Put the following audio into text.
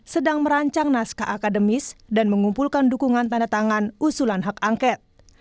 sedang merancang naskah akademis dan mengumpulkan dukungan tanda tangan usulan hak angket